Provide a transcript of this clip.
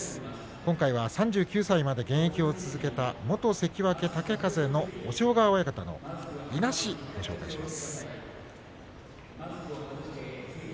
今回は３９歳まで現役を続けた元関脇、豪風の押尾川親方のいなしです。